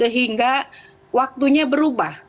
hingga waktunya berubah